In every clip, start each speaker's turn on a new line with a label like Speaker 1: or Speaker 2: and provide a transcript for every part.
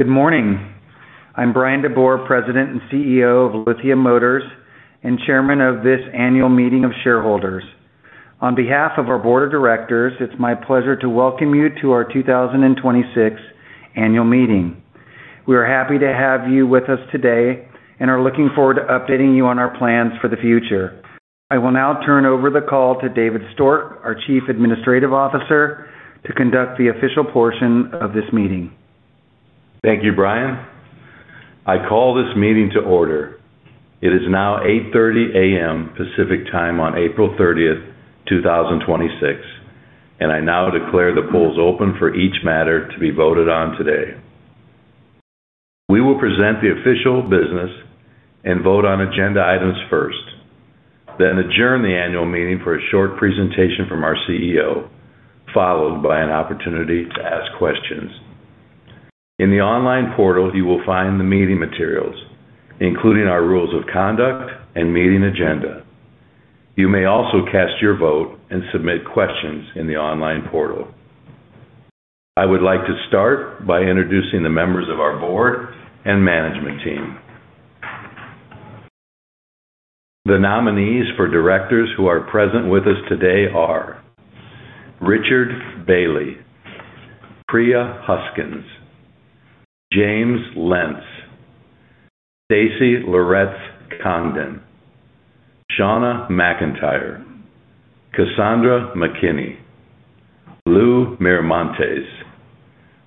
Speaker 1: Good morning. I'm Bryan DeBoer, President and CEO of Lithia Motors and Chairman of this annual meeting of shareholders. On behalf of our Board of Directors, it's my pleasure to welcome you to our 2026 Annual Meeting. We are happy to have you with us today and are looking forward to updating you on our plans for the future. I will now turn over the call to David Stork, our Chief Administrative Officer, to conduct the official portion of this meeting.
Speaker 2: Thank you, Bryan. I call this meeting to order. It is now 8:30 A.M. Pacific Time on 30 April 2026. I now declare the polls open for each matter to be voted on today. We will present the official business and vote on agenda items first. Adjourn the annual meeting for a short presentation from our CEO, followed by an opportunity to ask questions. In the online portal, you will find the meeting materials, including our rules of conduct and meeting agenda. You may also cast your vote and submit questions in the online portal. I would like to start by introducing the members of our board and management team. The nominees for Directors who are present with us today are Richard Bailey, Priya Huskins, James Lentz, Stacy Loretz-Congdon, Shauna McIntyre, Cassandra McKinney, Lou Miramontes,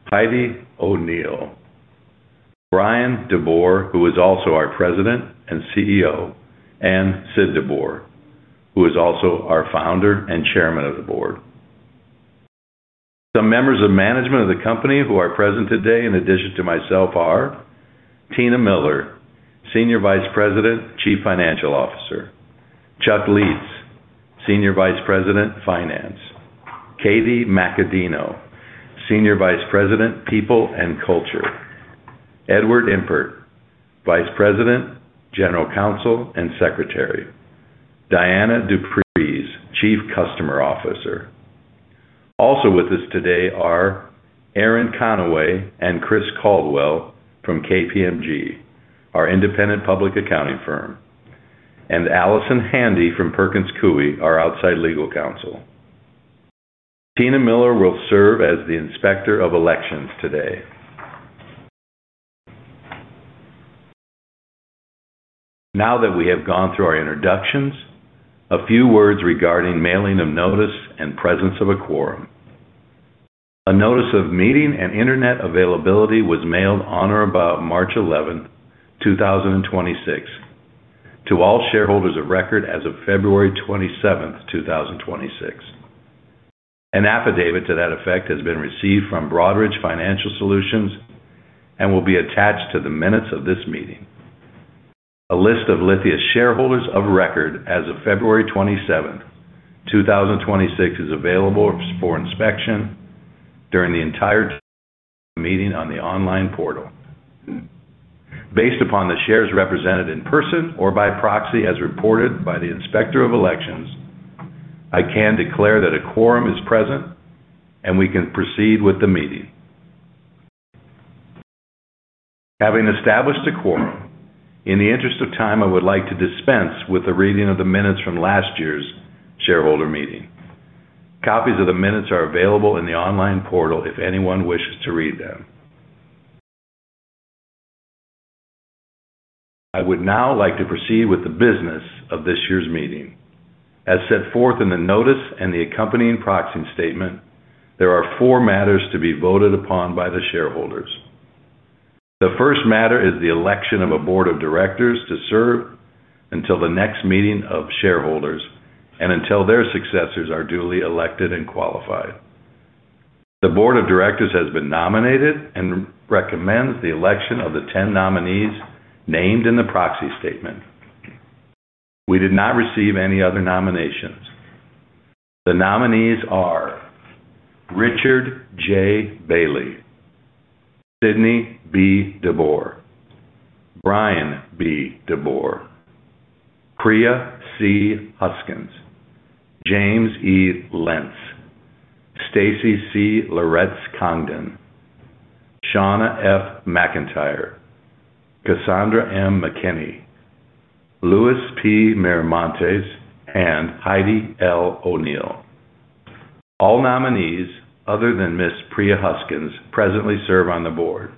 Speaker 2: Heidi O'Neill, Bryan DeBoer, who is also our President and CEO, and Sid DeBoer, who is also our Founder and Chairman of the Board. Some members of management of the company who are present today in addition to myself are Tina Miller, Senior Vice President, Chief Financial Officer. Charles Lietz, Senior Vice President, Finance. Katie Macaddino, Senior Vice President, People and Culture. Edward Impert, Vice President, General Counsel and Secretary. Dianna du Preez, Chief Customer Officer. Also with us today are Aaron Conaway and Chris Caldwell from KPMG, our independent public accounting firm, and Allison Handy from Perkins Coie, our outside legal counsel. Tina Miller will serve as the Inspector of Elections today. Now that we have gone through our introductions, a few words regarding mailing of notice and presence of a quorum. A notice of meeting and Internet availability was mailed on or about 11 March 2026 to all shareholders of record as of 27 February 2026. An affidavit to that effect has been received from Broadridge Financial Solutions and will be attached to the minutes of this meeting. A list of Lithia shareholders of record as of 27 February 2026 is available for inspection during the entire meeting on the online portal. Based upon the shares represented in person or by proxy as reported by the Inspector of Elections, I can declare that a quorum is present and we can proceed with the meeting. Having established a quorum, in the interest of time, I would like to dispense with the reading of the minutes from last year's shareholder meeting. Copies of the minutes are available in the online portal if anyone wishes to read them. I would now like to proceed with the business of this year's meeting. As set forth in the notice and the accompanying proxy statement, there are four matters to be voted upon by the shareholders. The first matter is the election of a board of directors to serve until the next meeting of shareholders and until their successors are duly elected and qualified. The board of directors has been nominated and recommends the election of the ten nominees named in the proxy statement. We did not receive any other nominations. The nominees are Richard J. Bailey, Sidney B. DeBoer, Bryan B. DeBoer, Priya C. Huskins, James E. Lentz, Stacy C. Loretz-Congdon, Shauna F. McIntyre, Cassandra M. McKinney, Louis P. Miramontes, and Heidi L. O'Neill. All nominees other than Ms. Priya Huskins presently serve on the board.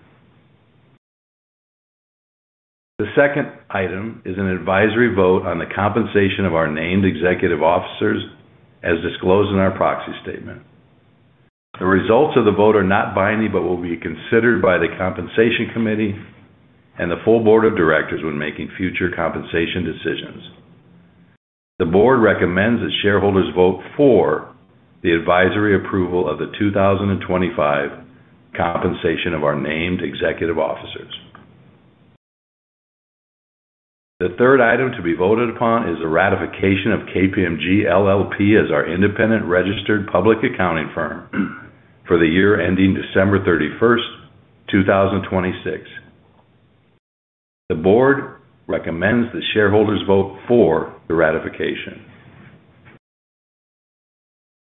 Speaker 2: The second item is an advisory vote on the compensation of our named executive officers as disclosed in our proxy statement. The results of the vote are not binding but will be considered by the Compensation Committee and the full Board of Directors when making future compensation decisions. The board recommends that shareholders vote for the advisory approval of the 2025 compensation of our named executive officers. The third item to be voted upon is the ratification of KPMG LLP as our independent registered public accounting firm for the year ending 31 December 2026. The board recommends that shareholders vote for the ratification.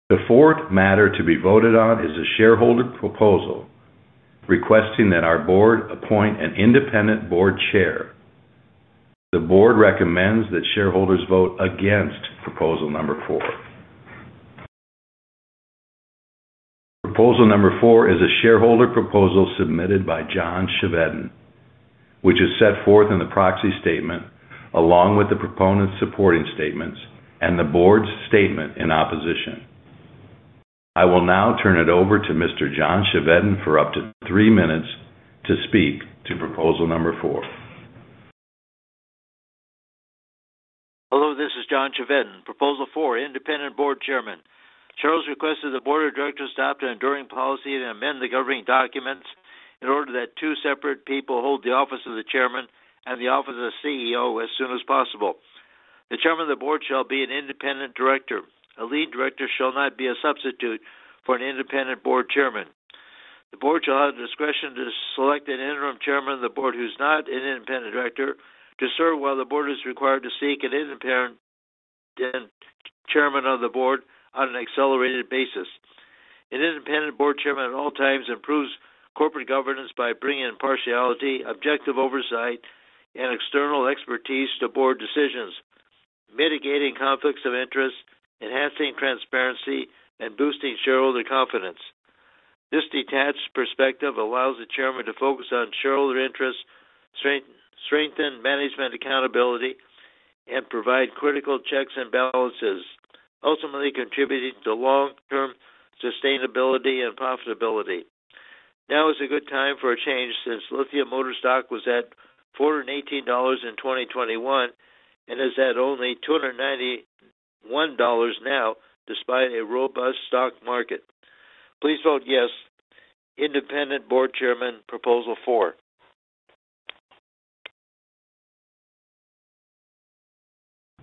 Speaker 2: The fourth matter to be voted on is a shareholder proposal requesting that our board appoint an independent board chair. The board recommends that shareholders vote against proposal number four. Proposal number four is a shareholder proposal submitted by John Chevedden, which is set forth in the proxy statement along with the proponent's supporting statements and the board's statement in opposition. I will now turn it over to Mr. John Chevedden for up to three minutes to speak to proposal number four.
Speaker 3: Hello, this is John Chevedden, Proposal four, Independent Board Chairman. Charles requested the board of directors to adopt an enduring policy to amend the governing documents in order that two separate people hold the office of the Chairman and the office of the CEO as soon as possible. The Chairman of the Board shall be an independent director. A lead director shall not be a substitute for an independent Board Chairman. The board shall have the discretion to select an interim Chairman of the Board who's not an independent director to serve while the board is required to seek an independent Chairman of the Board on an accelerated basis. An independent Board Chairman at all times improves corporate governance by bringing impartiality, objective oversight, and external expertise to board decisions, mitigating conflicts of interest, enhancing transparency, and boosting shareholder confidence. This detached perspective allows the chairman to focus on shareholder interests, strengthen management accountability, and provide critical checks and balances, ultimately contributing to long-term sustainability and profitability. Now is a good time for a change since Lithia Motors stock was at $418 in 2021 and is at only $291 now despite a robust stock market. Please vote yes. Independent Board Chairman, Proposal four.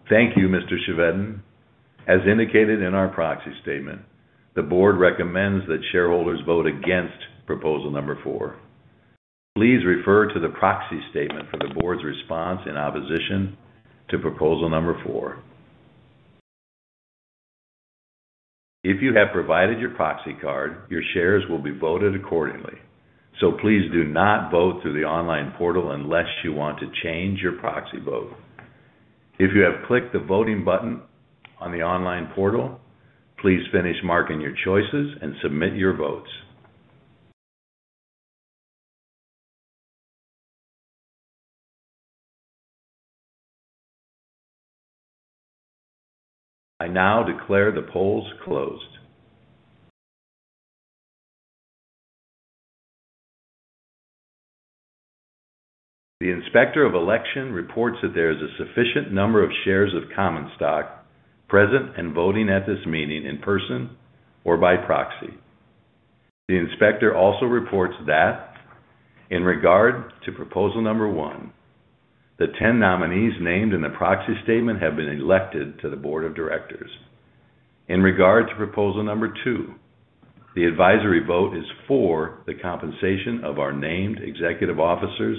Speaker 2: Thank you, Mr. Chevedden. As indicated in our proxy statement, the board recommends that shareholders vote against proposal number four. Please refer to the proxy statement for the board's response in opposition to proposal number four. If you have provided your proxy card, your shares will be voted accordingly. Please do not vote through the online portal unless you want to change your proxy vote. If you have clicked the voting button on the online portal, please finish marking your choices and submit your votes. I now declare the polls closed. The Inspector of Election reports that there is a sufficient number of shares of common stock present and voting at this meeting in person or by proxy. The inspector also reports that in regard to proposal number one, the 10 nominees named in the proxy statement have been elected to the board of directors. In regard to proposal number two, the advisory vote is for the compensation of our named executive officers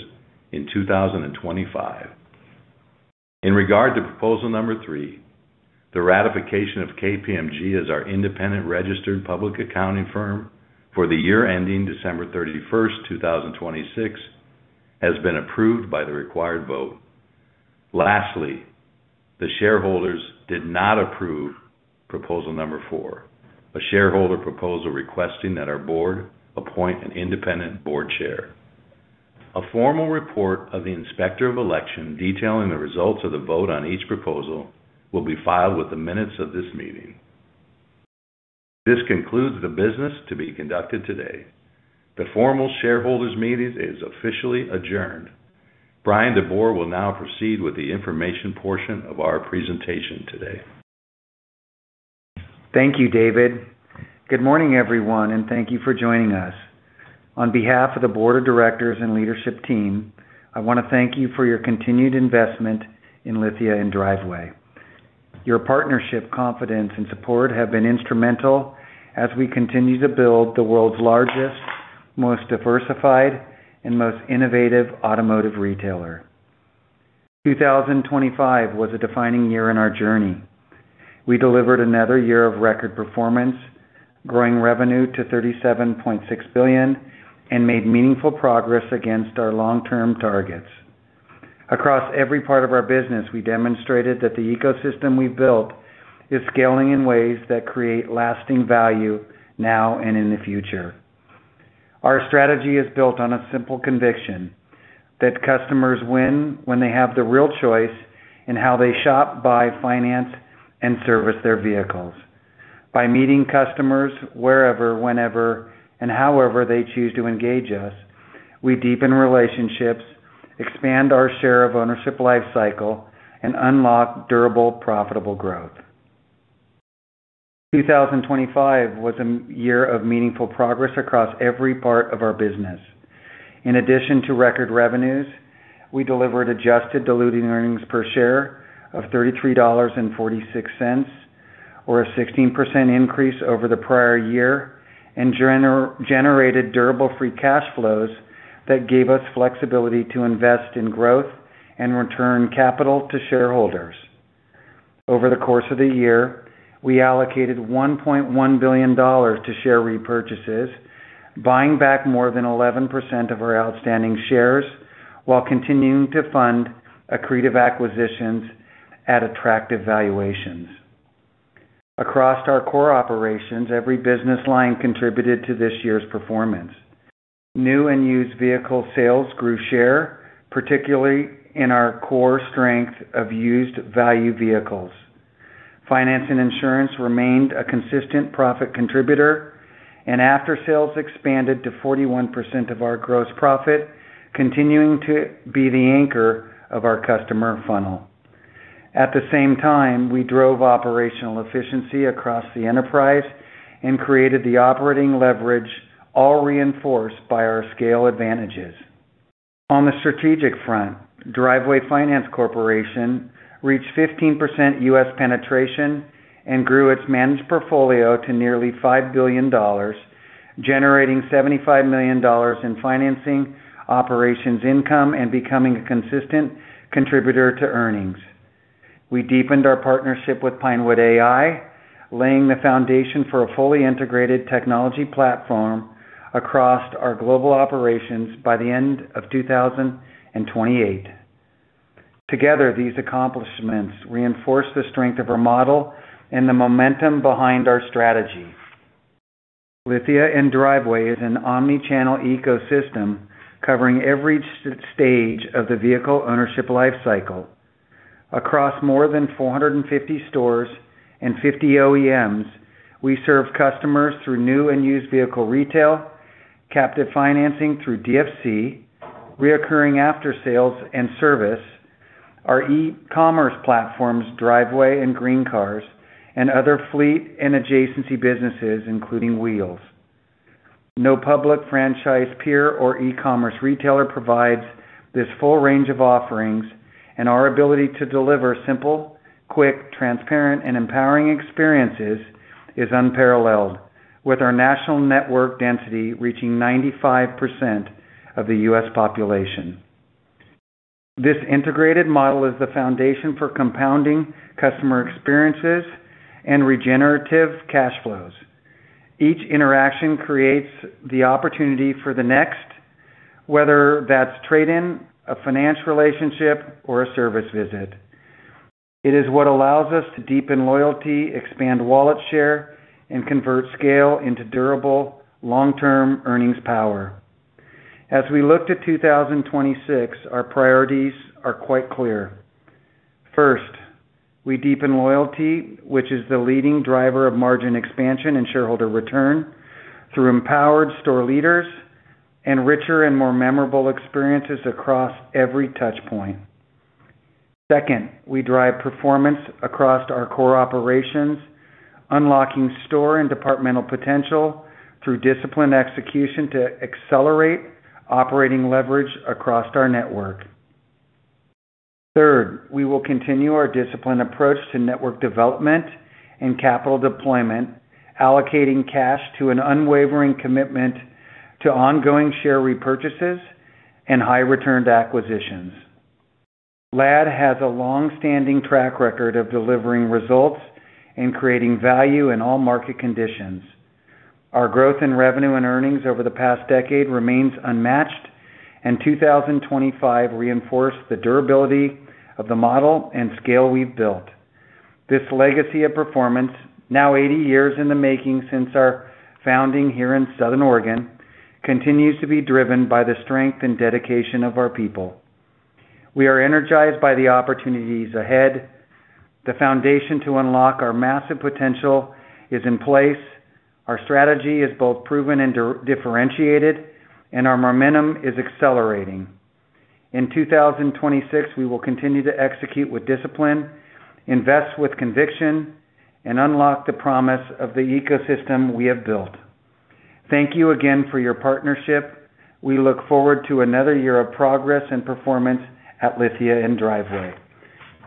Speaker 2: in 2025. In regard to proposal number three, the ratification of KPMG as our independent registered public accounting firm for the year ending 31 December 2026, has been approved by the required vote. Lastly, the shareholders did not approve proposal number four, a shareholder proposal requesting that our board appoint an independent board chair. A formal report of the Inspector of Election detailing the results of the vote on each proposal will be filed with the minutes of this meeting. This concludes the business to be conducted today. The formal shareholders meeting is officially adjourned. Bryan DeBoer will now proceed with the information portion of our presentation today.
Speaker 1: Thank you, David. Good morning, everyone, and thank you for joining us. On behalf of the board of directors and leadership team, I want to thank you for your continued investment in Lithia & Driveway. Your partnership, confidence, and support have been instrumental as we continue to build the world's largest, most diversified, and most innovative automotive retailer. 2025 was a defining year in our journey. We delivered another year of record performance, growing revenue to $37.6 billion, and made meaningful progress against our long-term targets. Across every part of our business, we demonstrated that the ecosystem we built is scaling in ways that create lasting value now and in the future. Our strategy is built on a simple conviction that customers win when they have the real choice in how they shop, buy, finance, and service their vehicles. By meeting customers wherever, whenever, and however they choose to engage us, we deepen relationships, expand our share of ownership lifecycle, and unlock durable, profitable growth. 2025 was a year of meaningful progress across every part of our business. In addition to record revenues, we delivered adjusted diluted earnings per share of $33.46 or a 16% increase over the prior year. Generated durable free cash flows that gave us flexibility to invest in growth and return capital to shareholders. Over the course of the year, we allocated $1.1 billion to share repurchases, buying back more than 11% of our outstanding shares while continuing to fund accretive acquisitions at attractive valuations. Across our core operations, every business line contributed to this year's performance New and used vehicle sales grew share, particularly in our core strength of used value vehicles. Finance and insurance remained a consistent profit contributor, and after-sales expanded to 41% of our gross profit, continuing to be the anchor of our customer funnel. At the same time, we drove operational efficiency across the enterprise and created the operating leverage, all reinforced by our scale advantages. On the strategic front, Driveway Finance Corporation reached 15% U.S. penetration and grew its managed portfolio to nearly $5 billion, generating $75 million in financing operations income and becoming a consistent contributor to earnings. We deepened our partnership with Pinewood.AI, laying the foundation for a fully integrated technology platform across our global operations by the end of 2028. Together, these accomplishments reinforce the strength of our model and the momentum behind our strategy. Lithia and Driveway is an omni-channel ecosystem covering every stage of the vehicle ownership life cycle. Across more than 450 stores and 50 OEMs, we serve customers through new and used vehicle retail, captive financing through DFC, recurring after-sales and service, our e-commerce platforms, Driveway and GreenCars, and other fleet and adjacency businesses, including Wheels. No public franchise, peer, or e-commerce retailer provides this full range of offerings, and our ability to deliver simple, quick, transparent, and empowering experiences is unparalleled with our national network density reaching 95% of the U.S. population. This integrated model is the foundation for compounding customer experiences and regenerative cash flows. Each interaction creates the opportunity for the next, whether that's trade-in, a finance relationship, or a service visit. It is what allows us to deepen loyalty, expand wallet share, and convert scale into durable long-term earnings power. As we look to 2026, our priorities are quite clear. First, we deepen loyalty, which is the leading driver of margin expansion and shareholder return through empowered store leaders and richer and more memorable experiences across every touch point. Second, we drive performance across our core operations, unlocking store and departmental potential through disciplined execution to accelerate operating leverage across our network. Third, we will continue our disciplined approach to network development and capital deployment, allocating cash to an unwavering commitment to ongoing share repurchases and high return to acquisitions. Lithia has a long-standing track record of delivering results and creating value in all market conditions. Our growth in revenue and earnings over the past decade remains unmatched, and 2025 reinforced the durability of the model and scale we've built. This legacy of performance, now 80 years in the making since our founding here in Southern Oregon, continues to be driven by the strength and dedication of our people. We are energized by the opportunities ahead. The foundation to unlock our massive potential is in place. Our strategy is both proven and differentiated, and our momentum is accelerating. In 2026, we will continue to execute with discipline, invest with conviction, and unlock the promise of the ecosystem we have built. Thank you again for your partnership. We look forward to another year of progress and performance at Lithia & Driveway.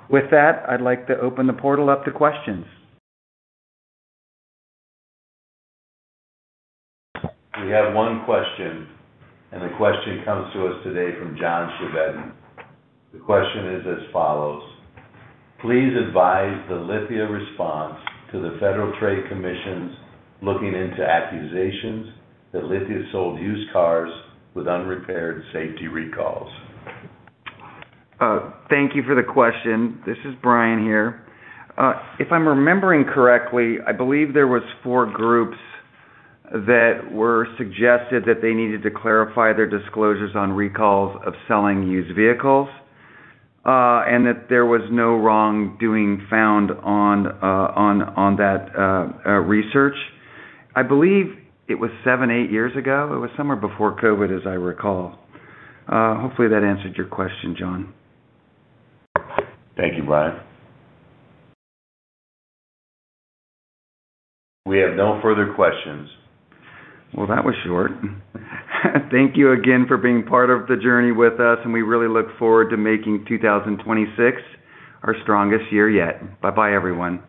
Speaker 1: With that, I'd like to open the portal up to questions.
Speaker 2: We have one question, and the question comes to us today from John Chevedden. The question is as follows: Please advise the Lithia response to the Federal Trade Commission looking into accusations that Lithia sold used cars with unrepaired safety recalls.
Speaker 1: Thank you for the question. This is Bryan here. If I'm remembering correctly, I believe there was four groups that were suggested that they needed to clarify their disclosures on recalls of selling used vehicles, and that there was no wrongdoing found on that research. I believe it was seven, eight years ago. It was somewhere before COVID, as I recall. Hopefully, that answered your question, John
Speaker 2: Thank you, Bryan. We have no further questions.
Speaker 1: Well, that was short. Thank you again for being part of the journey with us, and we really look forward to making 2026 our strongest year yet. Bye-bye, everyone.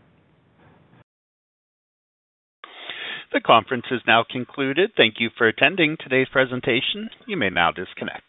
Speaker 4: The conference is now concluded. Thank you for attending today's presentation. You may now disconnect.